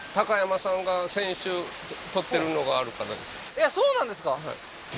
えっそうなんですか？